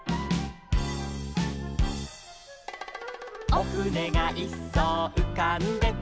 「おふねがいっそううかんでた」